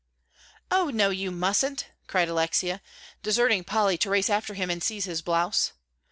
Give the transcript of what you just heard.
"Oh, no, you mustn't," cried Alexia, deserting Polly to race after him and seize his blouse.